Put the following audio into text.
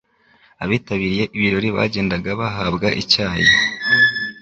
abitabiriye ibirori bagendaga bahabwa icyayi,